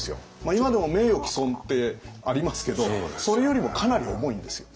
今でも名誉毀損ってありますけどそれよりもかなり重いんですよ。